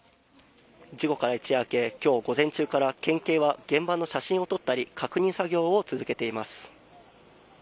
事故から一夜明け、きょう午前中から、県警は現場の写真を撮ったり、確認作業を続けています。